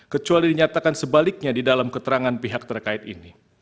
kecuali dinyatakan sebaliknya di dalam keterangan pihak terkait ini